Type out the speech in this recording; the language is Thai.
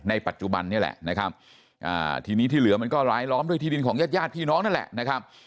ปัจจุบันนี่แหละนะครับทีนี้ที่เหลือมันก็ร้ายล้อมด้วยที่ดินของญาติญาติพี่น้องนั่นแหละนะครับ